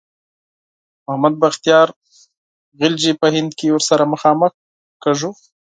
محمد بختیار خلجي په هند کې ورسره مخامخ کیږو.